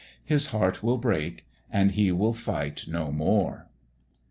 His heart will break, and he will fight no more.